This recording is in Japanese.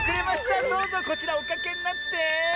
どうぞこちらおかけになって。